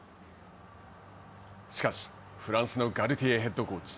しかし、フランスのガルティエヘッドコーチ。